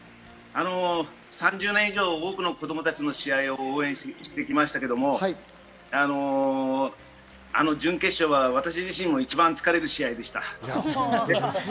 ３０年以上、多くの子供たちの試合を応援してきましたけど、あの準決勝は私自身も一番疲れる試合でした。